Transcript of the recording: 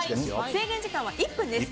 制限時間は１分です。